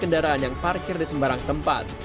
kendaraan yang parkir di sembarang tempat